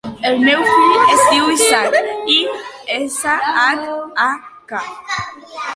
El meu fill es diu Ishak: i, essa, hac, a, ca.